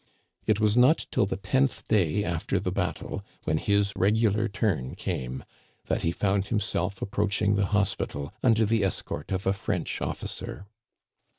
It was not till the tenth day after the battle, when his regular turn came, that he found himself approaching the hos pital under the escort of a French officer.